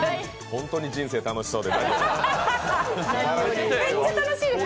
ホントに人生楽しそうで。